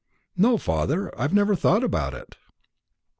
"No, father; I've never thought about it."